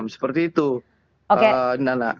seperti itu nanda